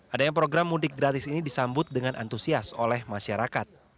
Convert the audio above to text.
adanya program mudik gratis ini disambut dengan antusias oleh masyarakat